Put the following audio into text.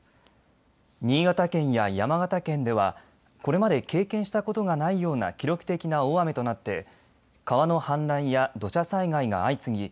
新潟県や山形県ではこれまで経験したことがないような記録的な大雨となって川の氾濫や土砂災害が相次ぎ